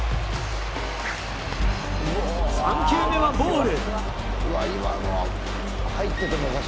３球目はボール。